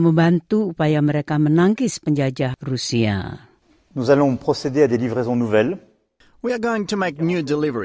lebih banyak rudal jelajah dan bom jarak jauh ke kiev